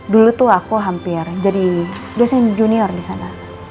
dulu tuh aku hampir jadi dosen junior disana